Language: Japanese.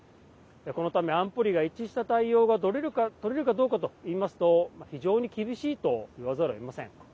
このため安保理が一致した対応がとれるかどうかといいますと非常に厳しいといわざるをえません。